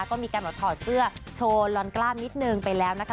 ก็มีการแบบถอดเสื้อโชว์ลอนกล้ามนิดนึงไปแล้วนะคะ